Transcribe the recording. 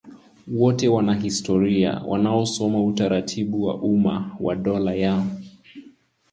wote Wanahistoria wanaosoma utaratibu wa umma wa Dola ya